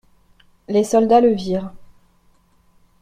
Les soldats le virent.